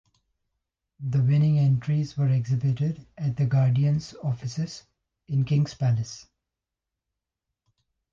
The winning entries were exhibited at The Guardian’s offices in Kings Place.